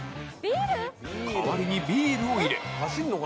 代わりにビールを入れ